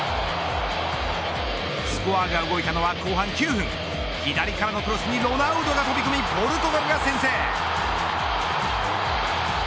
スコアが動いたのは後半９分左からのクラスにロナウドが飛び込みポルトガルが先制。